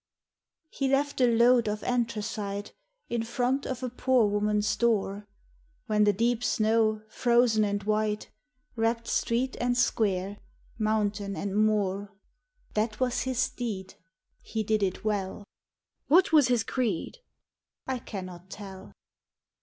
He left a load of anthracite In front of a poor woman's door, When the deep snow, frozen and white, Wrapped street and square, mountain and moor. That was his deed. He did it well. " What was his creed? " I cannot tell.